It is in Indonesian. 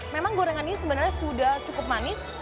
memang gorengan ini sebenarnya sudah cukup manis